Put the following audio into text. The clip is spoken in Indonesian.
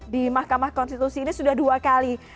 di mahkamah konstitusi ini sudah dua kali